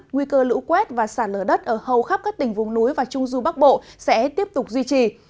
nguy cơ lũ quét và sạt lở đất ở hầu khắp các tỉnh vùng núi và trung du bắc bộ sẽ tiếp tục duy trì